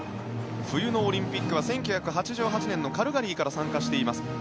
冬のオリンピックは１９８８年のカルガリーから参加しています。